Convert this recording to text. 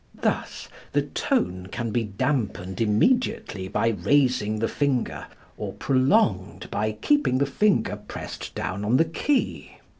Thus the tone can be dampened immediately by raising the finger or prolonged by keeping the finger pressed down on the key.